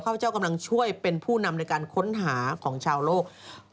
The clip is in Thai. พเจ้ากำลังช่วยเป็นผู้นำในการค้นหาของชาวโลก